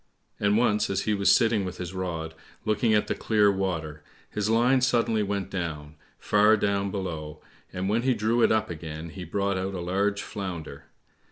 And once as he was sitting with his rod, looking at the clear water, his line suddenly went down, far down below, and when he drew it up again he brought out a large Flounder.